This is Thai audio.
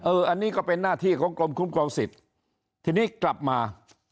อันนี้ก็เป็นหน้าที่ของกรมคุ้มครองสิทธิ์ทีนี้กลับมา